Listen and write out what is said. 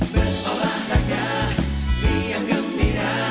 berolahraga diam gembira